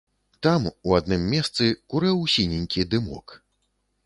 Там, у адным месцы, курэў сіненькі дымок.